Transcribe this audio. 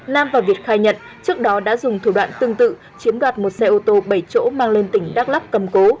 nam và việt khai nhận trước đó đã dùng thủ đoạn tương tự chiếm đoạt một xe ô tô bảy chỗ mang lên tỉnh đắk lắc cầm cố